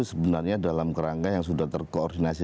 sebenarnya dalam kerangka yang sudah terkoordinasi